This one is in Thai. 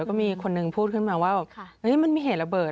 ก็มีคนหนึ่งพูดขึ้นมาว่ามันมีเหตุระเบิด